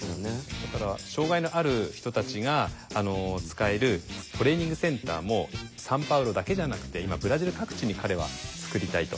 だから障害のある人たちが使えるトレーニングセンターもサンパウロだけじゃなくて今ブラジル各地に彼はつくりたいと。